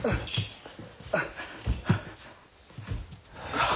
さあ。